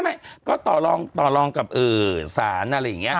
ไม่ก็ต่อลองกับศาลอะไรอย่างเงี้ย